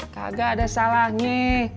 kagak ada salahnya